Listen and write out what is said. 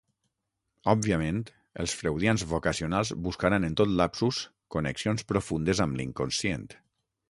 Òbviament els freudians vocacionals buscaran en tot lapsus connexions profundes amb l'inconscient.